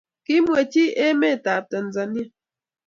kimwechi ametab Tanzania